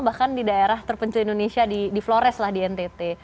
bahkan di daerah terpencil indonesia di flores lah di ntt